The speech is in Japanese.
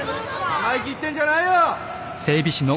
・生意気言ってんじゃないよ！